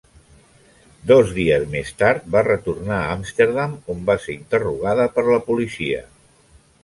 Dos dies més tard va retornar a Amsterdam on va ser interrogada per la policia.